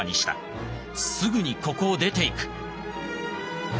「すぐにここを出ていく！」。